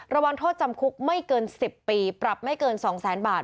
ระวังโทษจำคุกไม่เกิน๑๐ปีปรับไม่เกิน๒แสนบาท